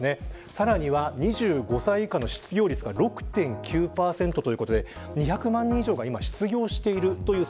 さらに２５歳以下の失業率が６．９％ということで２００万人が失業している。